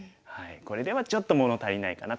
これではちょっと物足りないかな。